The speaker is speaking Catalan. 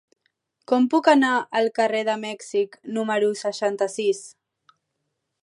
Com puc anar al carrer de Mèxic número seixanta-sis?